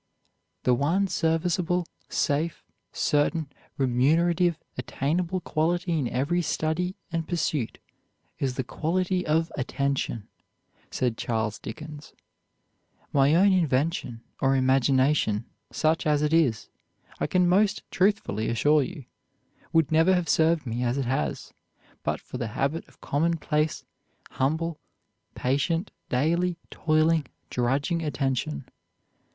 "The one serviceable, safe, certain, remunerative, attainable quality in every study and pursuit is the quality of attention," said Charles Dickens. "My own invention, or imagination, such as it is, I can most truthfully assure you, would never have served me as it has, but for the habit of commonplace, humble, patient, daily, toiling, drudging attention."